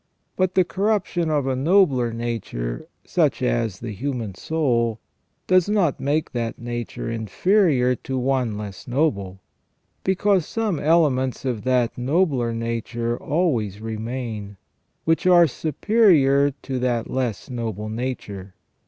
Bnt the corruption of a nobler nature, such as the human soul, does not make that nature inferior to one less noble, because some elements of that nobler nature always remain, which are superior to that less noble nature.